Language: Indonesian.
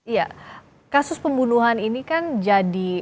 iya kasus pembunuhan ini kan jadi